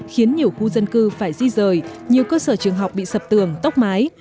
khiến nhiều khu dân cư phải di rời nhiều cơ sở trường học bị sập tường tốc mái